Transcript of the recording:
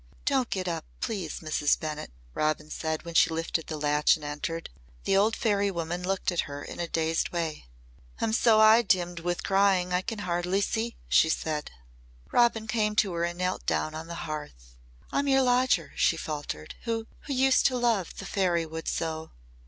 "Don't get up, please, Mrs. Bennett," Robin said when she lifted the latch and entered. The old fairy woman looked at her in a dazed way. "I'm so eye dimmed with crying that I can scarcely see," she said. Robin came to her and knelt down on the hearth. "I'm your lodger," she faltered, "who who used to love the fairy wood so."